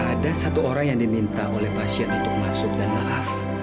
ada satu orang yang diminta oleh pasien untuk masuk dan maaf